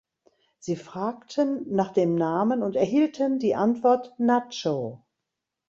Sie fragten nach dem Namen und erhielten die Antwort „Nacho“.